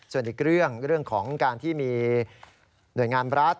ส่วนอีกเรื่องของการที่มีหน่วยงานรัฐ